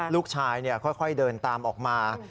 ลูกชายค่อยเดินตามออกมา